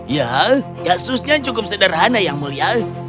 ya kasusnya cukup sederhana yang mulia